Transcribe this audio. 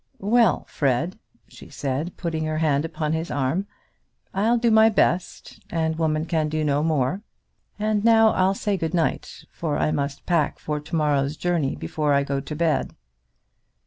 "Well, Fred," she said, putting her hand upon his arm, "I'll do my best, and woman can do no more. And now I'll say good night, for I must pack for to morrow's journey before I go to bed."